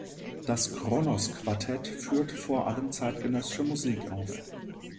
Das Kronos Quartet führt vor allem zeitgenössische Musik auf.